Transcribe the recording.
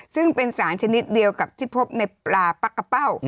ซึ่งเป็นสารชนิดเดียวกับที่พบในปลาปั๊กกะเป้า